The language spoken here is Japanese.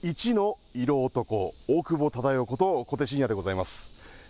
どうする家康一の色男、大久保忠世こと小手伸也でございます。